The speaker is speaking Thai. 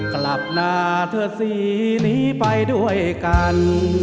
กลับหน้าเธอสีนี้ไปด้วยกัน